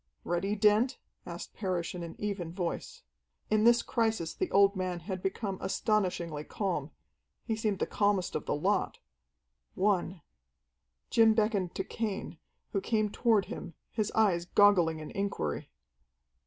"Ready, Dent?" asked Parrish in an even voice. In this crisis the old man had become astonishingly calm. He seemed the calmest of the lot. "One!" Jim beckoned to Cain, who came toward him, his eyes goggling in inquiry.